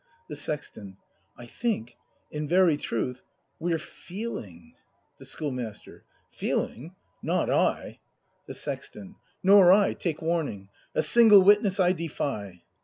The Sexton. I think, in very truth, we're feeHng! The Schoolmaster. Feeling.? Not I! The Sexton. Nor I, take warning! A single witness I defy!